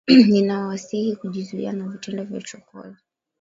Ninawasihi kujizuia na vitendo vya uchokozi